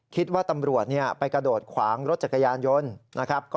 คิดว่าตำรวจไปกระโดดขวางรถจักรยานยนต์นะครับ